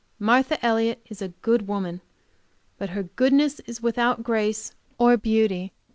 Martha Elliott is a good woman, but her goodness is without grace or beauty.